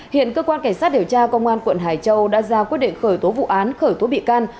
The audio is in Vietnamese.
hiện cơ quan cảnh sát điều tra công an quận hải châu đã ra quyết định khởi tố vụ án khởi tố bị can